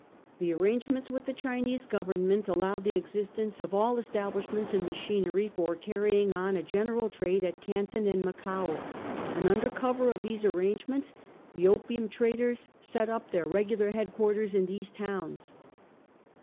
The arrangements with the Chinese Government allowed the existence of all establishments and machinery for carrying on a general trade at Canton and Macao ; and under cover of these arrangements the opium traders set up their regular head quarters in these towns.